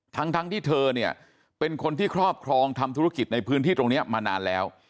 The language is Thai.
ทั้งที่เธอเนี่ยเป็นคนที่ครอบครองทำธุรกิจในพื้นที่ตรงนี้มานานแล้ว